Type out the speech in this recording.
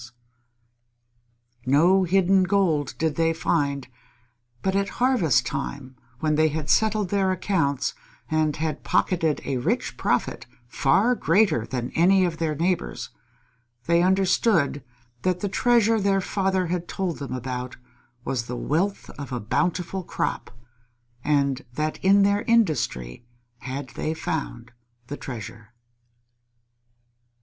No hidden gold did they find; but at harvest time when they had settled their accounts and had pocketed a rich profit far greater than that of any of their neighbors, they understood that the treasure their father had told them about was the wealth of a bountiful crop, and that in their industry had they found the treasure.